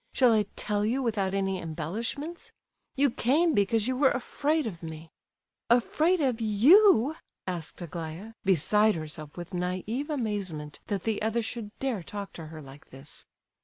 Shall I tell you without any embellishments? You came because you were afraid of me!" "Afraid of you?" asked Aglaya, beside herself with naive amazement that the other should dare talk to her like this.